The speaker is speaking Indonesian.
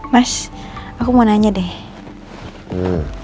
mas aku mau nanya deh